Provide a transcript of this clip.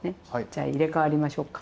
じゃあ入れ代わりましょうか。